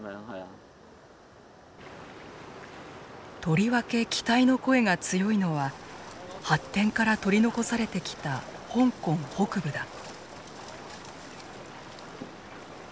とりわけ期待の声が強いのは発展から取り残されてきた香港北部だ。